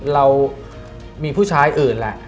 เรามีผู้ชายอื่นแหละ